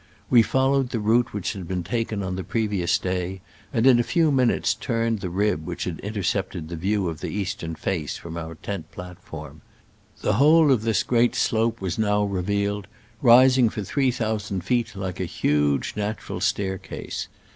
We followed the route which had been taken on the pre vious day, and in a few minutes turned the rib which had intercepted the view of the eastern face from our tent plat form. The whole of this great slope was now revealed, rising for three thou sand feet like a huge natural staircase.